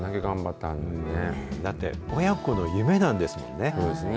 だって親子の夢なんですもんそうですね。